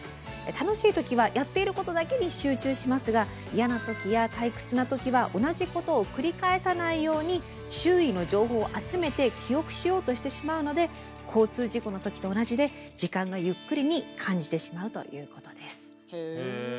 楽しいときはやっていることだけに集中しますが嫌なときや退屈なときは同じことを繰り返さないように周囲の情報を集めて記憶しようとしてしまうので交通事故のときと同じで時間がゆっくりに感じてしまうということです。